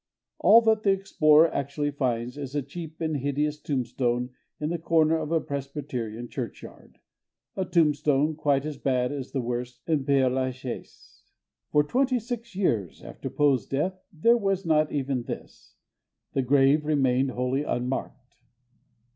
All that the explorer actually finds is a cheap and hideous tombstone in the corner of a Presbyterian churchyard—a tombstone quite as bad as the worst in Père La Chaise. For twenty six years after Poe's death there was not even this: the grave remained wholly unmarked.